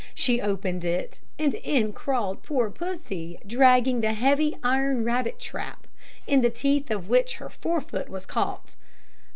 She opened it, and in crawled poor Pussy, dragging the heavy iron rabbit trap, in the teeth of which her fore foot was caught.